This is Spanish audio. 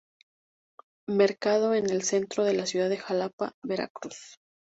Mercado en el centro de la ciudad de Xalapa, Veracruz.